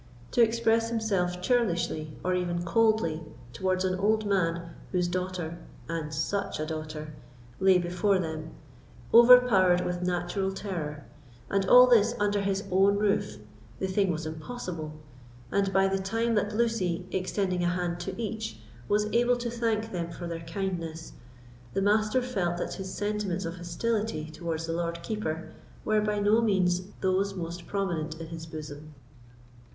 To express himself churlishly, or even coldly, towards an old man whose daughter (and such a daughter) lay before them, overpowered with natural terror—and all this under his own roof, the thing was impossible; and by the time that Lucy, extending a hand to each, was able to thank them for their kindness, the Master felt that his sentiments of hostility towards the Lord Keeper were by no means those most predominant in his bosom.